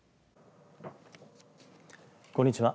こんにちは。